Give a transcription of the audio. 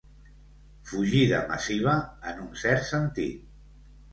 Fugida massiva, en un cert sentit.